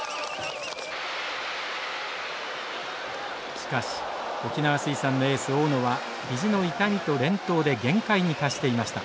しかし沖縄水産のエース大野は肘の痛みと連投で限界に達していました。